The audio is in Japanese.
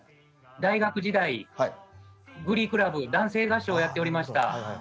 大学時代グリークラブ男性合唱をやっておりました。